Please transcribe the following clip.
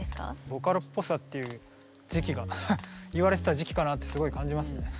ボカロっぽさっていう時期が言われてた時期かなってすごい感じますね。